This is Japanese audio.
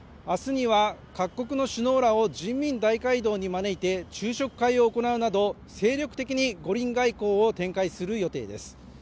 明日には各国の首脳らを人民大会堂に招いて昼食会を行うなど精力的に五輪外交を展開する予定です